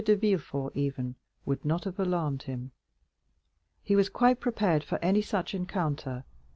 de Villefort even would not have alarmed him. He was quite prepared for any such encounter.